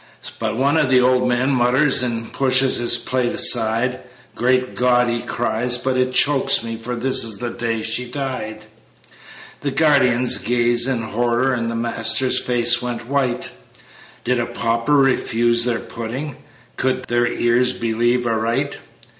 But one of the old men mutters, And pushes his plate aside: "Great God!" he cries; "but it chokes me! For this is the day she died." The guardians gazed in horror, The master's face went white; "Did a pauper refuse the pudding?" Could their ears believe aright?